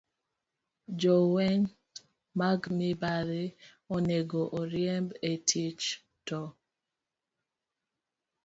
Jolweny mag mibadhi onego oriemb e tich, to